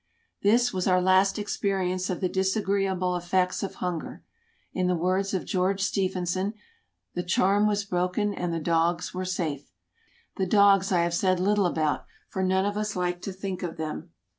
This was our last experience of the disagreeable effects of hunger. In the words of George Stephenson, "The charm was broken, and the dogs were safe." The dogs I have said little about, for none of us liked to think of them.